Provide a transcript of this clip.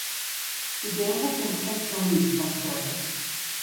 The game has been since removed from servers.